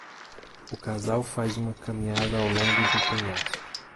O casal faz uma caminhada ao longo do penhasco.